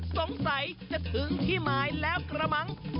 สงสัยจะถึงที่หมายแล้วกระมั้ง